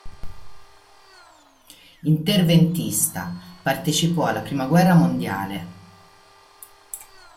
Interventista, partecipò alla prima guerra mondiale.